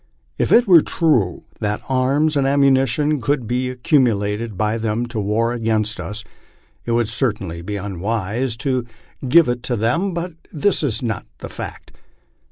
If it were true that arms and ammunition could be accumu lated by them to war against us, it would certainly be unwise to give it to them, but this is not the fact.